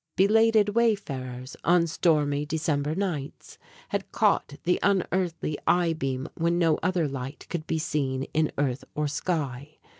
Belated wayfarers, on stormy December nights, had caught the unearthly eye beam when no other light could be seen in earth or sky.